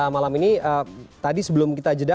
malam ini tadi sebelum kita jeda